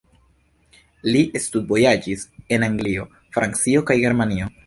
Li studvojaĝis en Anglio, Francio kaj Germanio.